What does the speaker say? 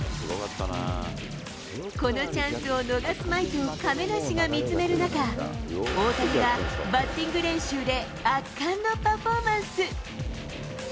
このチャンスを逃すまいと、亀梨が見つめる中、大谷がバッティング練習で圧巻のパフォーマンス。